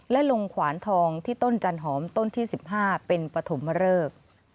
และลงขวานทองที่ต้นจันหอมต้นที่๑๕เป็นปฐมเริก